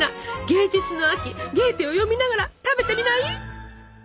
芸術の秋ゲーテを読みながら食べてみない？